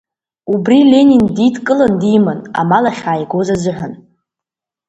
Убри Ленин дидкылан диман амал ахьааигоз азыҳәан.